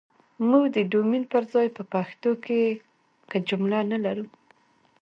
موږ ده ډومين پر ځاى په پښتو کې که جمله نه لرو